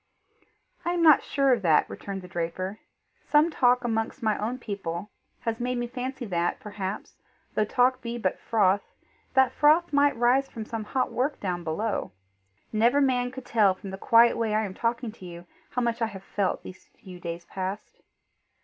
"I am not sure of that," returned the draper. "Some talk amongst my own people has made me fancy that, perhaps, though talk be but froth, the froth may rise from some hot work down below. Never man could tell from the quiet way I am talking to you, how much I have felt these few days past."